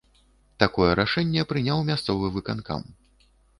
Такое рашэнне прыняў мясцовы выканкам.